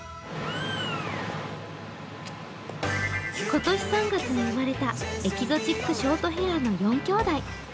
今年３月に生まれたエキゾチックショートヘアの４きょうだい。